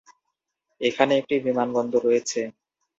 এখানে একটি বিমানবন্দর রয়েছে।